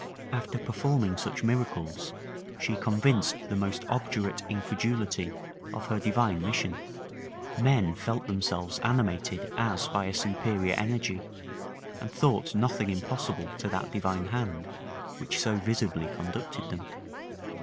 After performing such miracles, she convinced the most obdurate incredulity of her divine mission: men felt themselves animated as by a superior energy, and thought nothing impossible to that divine hand which so visibly conducted them.